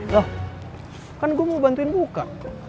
loh kan gua mau bantuin buka